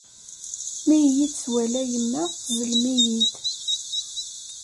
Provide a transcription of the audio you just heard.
Mi iyi-d-twala yemma, tezlem-iyi-d.